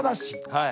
はい！